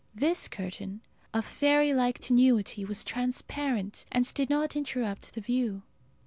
This curtain, of fairy like tenuity, was transparent, and did not interrupt the view.